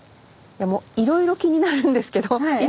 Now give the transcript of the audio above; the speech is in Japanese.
もういろいろ気になるんですけどはい。